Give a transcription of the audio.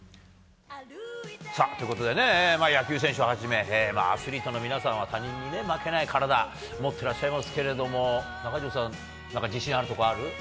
ということで野球選手をはじめアスリートの皆さんは他人に負けないカラダを持ってらっしゃいますが中条さん自信があるところある？